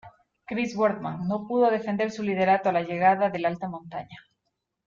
Chris Boardman no pudo defender su liderato a la llegada del alta montaña.